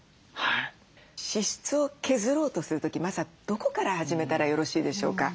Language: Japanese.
支出を削ろうとする時まずはどこから始めたらよろしいでしょうか？